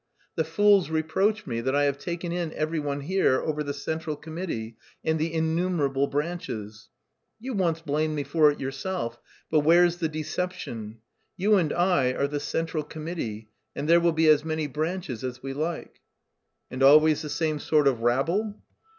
The fools reproach me that I have taken in every one here over the central committee and 'the innumerable branches.' You once blamed me for it yourself, but where's the deception? You and I are the central committee and there will be as many branches as we like." "And always the same sort of rabble!"